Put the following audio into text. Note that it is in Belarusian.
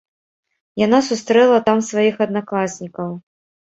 Яна сустрэла там сваіх аднакласнікаў.